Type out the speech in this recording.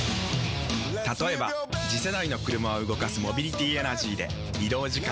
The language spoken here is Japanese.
例えば次世代の車を動かすモビリティエナジーでまジカ⁉人間！